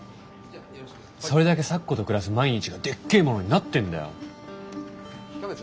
それだけ咲子と暮らす毎日がでっけぇものになってんだよ。